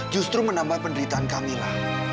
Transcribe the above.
justru menambah penderitaan kamila